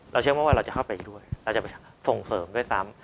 เชื่อว่าเราจะเข้าไปด้วยเราจะไปส่งเสริมด้วยซ้ำ